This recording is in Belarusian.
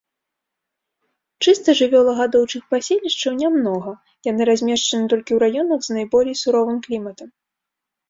Чыста жывёлагадоўчых паселішчаў нямнога, яны размешчаны толькі ў раёнах з найболей суровым кліматам.